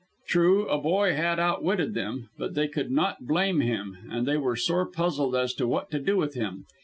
True, a boy had outwitted them; but they could not blame him, and they were sore puzzled as to what to do with him.